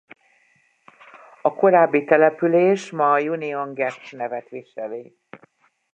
A korábbi település ma a Union Gap nevet viseli.